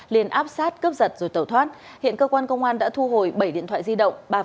liền áp sát cướp giật rồi tẩu thoát hiện cơ quan công an đã thu hồi bảy điện thoại di động